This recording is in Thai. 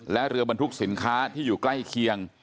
และเรือบรรทุกสินค้าที่อยู่ใกล้เคียง